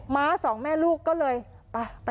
้าสองแม่ลูกก็เลยไป